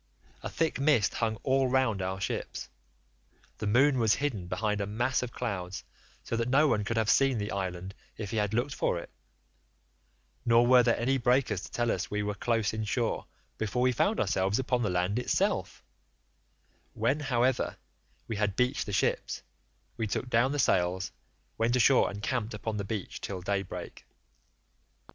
A thick mist hung all round our ships;79 the moon was hidden behind a mass of clouds so that no one could have seen the island if he had looked for it, nor were there any breakers to tell us we were close in shore before we found ourselves upon the land itself; when, however, we had beached the ships, we took down the sails, went ashore and camped upon the beach till daybreak.